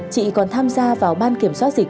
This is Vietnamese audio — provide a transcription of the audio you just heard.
chị còn tham gia vào ban kiểm soát dịch